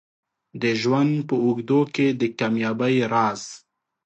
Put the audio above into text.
د ژوند په اوږدو کې د کامیابۍ راز